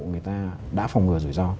người ta đã phòng ngừa rủi ro